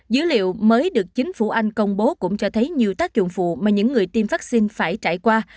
dữ liệu mới được chính phủ anh công bố cũng cho thấy nhiều tác dụng phụ mà những người tiêm vaccine phải trải qua